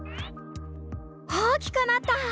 大きくなった！